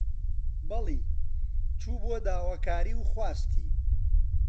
بەڵی، چوو بۆ داواکاری و خواستی